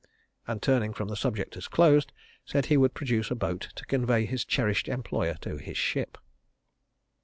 and turning from the subject as closed, said he would produce a boat to convey his cherished employer to his ship.